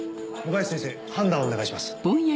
野林先生判断をお願いします。